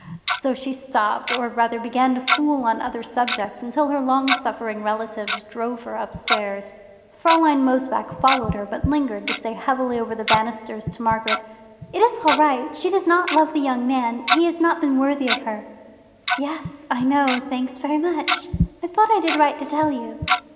So she stopped, or rather began to fool on other subjects, until her long suffering relatives drove her upstairs. Fraulein Mosebach followed her, but lingered to say heavily over the banisters to Margaret, "It is all right she does not love the young man he has not been worthy of her." "Yes, I know; thanks very much." "I thought I did right to tell you."